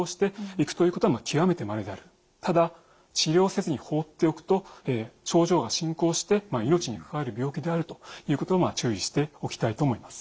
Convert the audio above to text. ただ治療せずに放っておくと症状が進行して命に関わる病気であるということを注意しておきたいと思います。